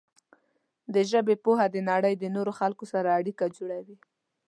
د ژبې پوهه د نړۍ د نورو خلکو سره اړیکه جوړوي.